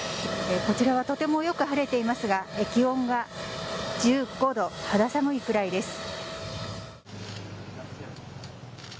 こちらはとてもよく晴れていますが気温が１５℃肌寒いくらいです。